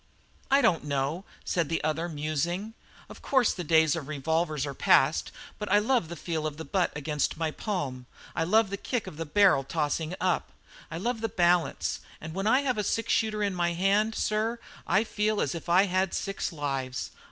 "I don't know," said the other, musing. "Of course the days of revolvers are past, but I love the feel of the butt against my palm I love the kick of the barrel tossing up I love the balance; and when I have a six shooter in my hand, sir, I feel as if I had six lives.